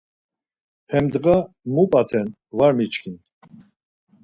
Hem ndğa mu p̌aten var miçkin.